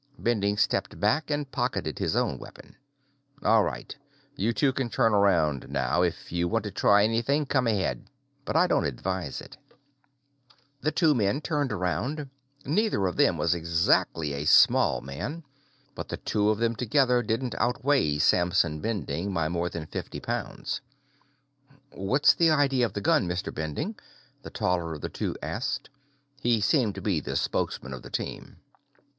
Bending stepped back and pocketed his own weapon. "All right. You two can turn around now. If you want to try anything, come ahead but I don't advise it." The two men turned around. Neither of them was exactly a small man, but the two of them together didn't outweigh Samson Bending by more than fifty pounds. "What's the idea of the gun, Mr. Bending?" the taller of the two asked. He seemed to be the spokesman for the team.